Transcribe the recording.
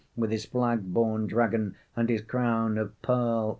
With his flag born dragon And his crown of pearl